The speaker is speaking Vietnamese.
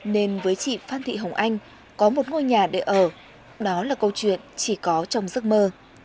nên với chị phan thị hồng anh có một ngôi nhà để ở đó là câu chuyện chỉ có trong giấc mơ